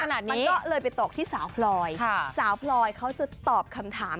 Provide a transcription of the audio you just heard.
มันเลยไปตกที่สาวพลอยสาวพลอยเขาจะตอบคำถาม